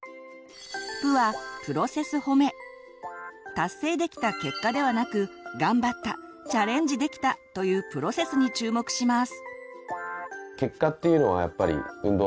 達成できた「結果」ではなくがんばったチャレンジできたという「プロセス」に注目します。